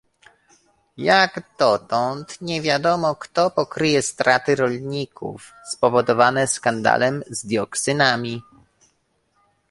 Jak dotąd nie wiadomo, kto pokryje straty rolników spowodowane skandalem z dioksynami